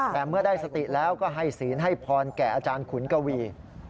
แต่เมื่อได้สติแล้วก็ให้ศีลให้พรแก่อาจารย์ขุนกวี